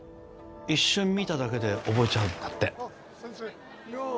一瞬見ただけで覚えちゃうんだって先生